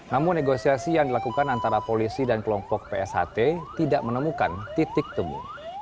namun negosiasi yang dilakukan antara polisi dan kelompok psht tidak menemukan titik temu